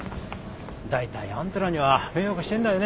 大体あんたらには迷惑してんだよね